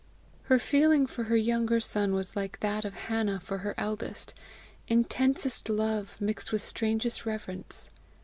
Her feeling for her younger son was like that of Hannah for her eldest intensest love mixed with strangest reverence.